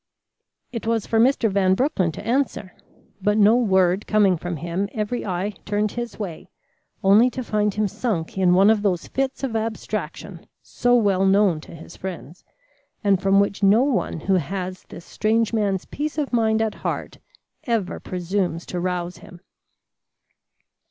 It was for Mr. Van Broecklyn to answer, but no word coming from him, every eye turned his way, only to find him sunk in one of those fits of abstraction so well known to his friends, and from which no one who has this strange man's peace of mind at heart ever presumes to rouse him.